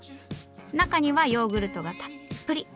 中にはヨーグルトがたっぷり。